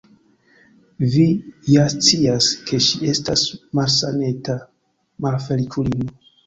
Vi ja scias, ke ŝi estas malsaneta, malfeliĉulino!